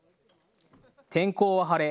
天候は晴れ。